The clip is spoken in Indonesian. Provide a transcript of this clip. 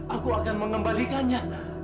aku akan mengembalikannya